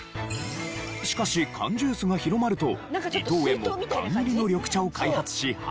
しかし缶ジュースが広まると伊藤園も缶入りの緑茶を開発し販売。